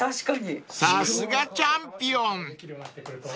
［さすがチャンピオン］